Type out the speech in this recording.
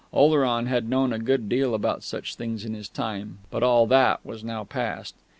Oleron had known a good deal about such things in his time, but all that was now past.